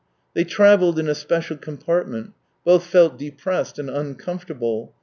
They travelled in a special compartment. Both felt depressed and uncomfortable.